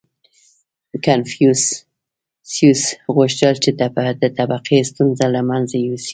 • کنفوسیوس غوښتل، چې د طبقې ستونزه له منځه یوسي.